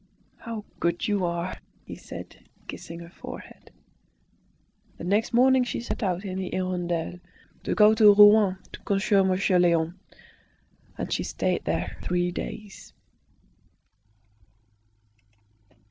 "How good you are!" he said, kissing her forehead. The next morning she set out in the "Hirondelle" to go to Rouen to consult Monsieur Léon, and she stayed there three days.